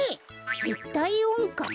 ぜったいおんかん？